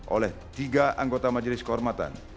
oleh tiga anggota majelis kehormatan